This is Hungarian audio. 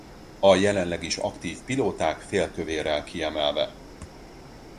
A jelenleg is aktív pilóták félkövérrel kiemelve.